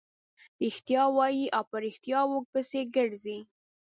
رښتیا وايي او په ريښتیاوو پسې ګرځي.